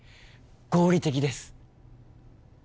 合理的です